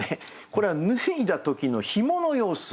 これは脱いだ時の紐の様子。